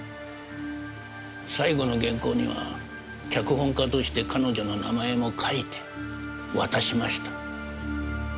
最後の原稿には脚本家として彼女の名前も書いて渡しました。